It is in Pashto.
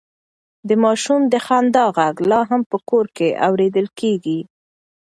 د ماشوم د خندا غږ لا هم په کور کې اورېدل کېږي.